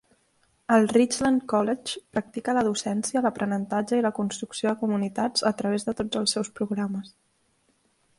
El Richland College practica la docència, l'aprenentatge i la construcció de comunitats a través de tots els seus programes.